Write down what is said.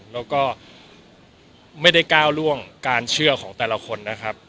แล้วก็ไม่ได้ก้าวล่วงการเชื่อของแต่ละคนนะครับ